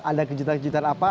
ada kejutan kejutan apa